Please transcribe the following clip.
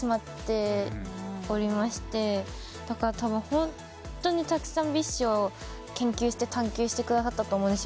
ホントにたくさんＢｉＳＨを研究して探求してくださったと思うし。